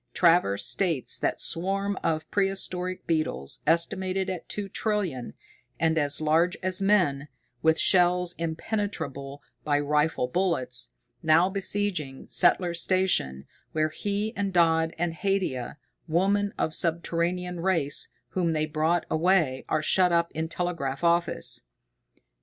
Travers states that swarm of prehistoric beetles, estimated at two trillion, and as large as men, with shells impenetrable by rifle bullets, now besieging Settler's Station, where he and Dodd and Haidia, woman of subterranean race whom they brought away, are shut up in telegraph office.